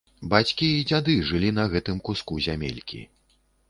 Бацькі і дзяды жылі на гэтым куску зямелькі.